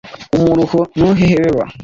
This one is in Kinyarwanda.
umuruho ntuhebeba